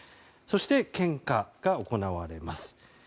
そして献花が行われます。